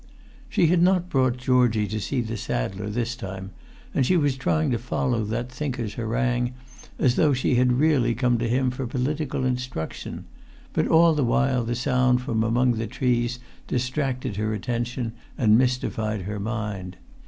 She had not brought Georgie to see the saddler this time, and she was trying to follow that thinker's harangue as though she had really come to him for political instruction; but all the while the sound from among the trees distracted her attention and mystified her mind.